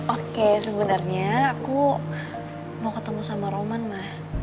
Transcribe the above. oke sebenarnya aku mau ketemu sama roman mah